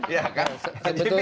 ya kan lgbt